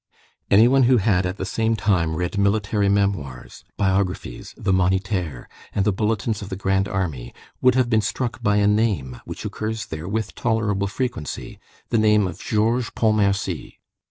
Any one who had, at the same time, read military memoirs, biographies, the Moniteur, and the bulletins of the grand army, would have been struck by a name which occurs there with tolerable frequency, the name of Georges Pontmercy.